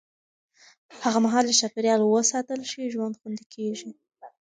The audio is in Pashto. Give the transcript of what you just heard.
هغه مهال چې چاپېریال وساتل شي، ژوند خوندي کېږي.